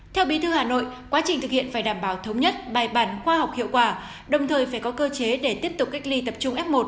theo bí thư hà nội quá trình thực hiện phải đảm bảo thống nhất bài bản khoa học hiệu quả đồng thời phải có cơ chế để tiếp tục cách ly tập trung f một